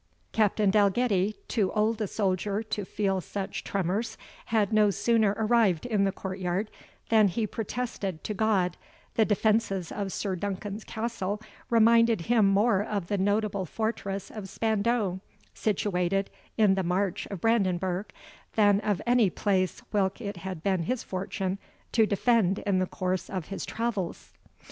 Captain Dalgetty, too old a soldier to feel such tremors, had no sooner arrived in the court yard, than he protested to God, the defences of Sir Duncan's castle reminded him more of the notable fortress of Spandau, situated in the March of Brandenburg, than of any place whilk it had been his fortune to defend in the course of his travels.